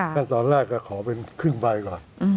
ขั้นตอนแรกก็ขอเป็นครึ่งใบก่อน